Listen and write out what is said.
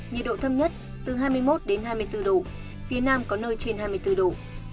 nhiệt độ thấp nhất từ hai mươi một đến hai mươi bốn độ phía nam có nơi trên hai mươi bốn độ